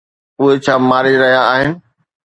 اهي ڇا ماري رهيا آهن؟